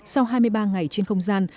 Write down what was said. sau hai mươi ba ngày trên không gian